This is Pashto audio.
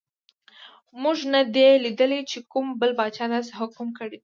موږ نه دي لیدلي چې کوم بل پاچا داسې حکم کړی وي.